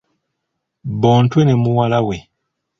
Bontwe ne muwala we.